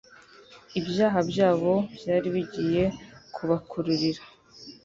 ibyaha byabo byari bigiye kubakururira.